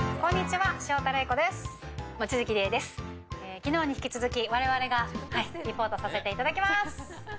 昨日に引き続き、我々がリポートさせていただきます。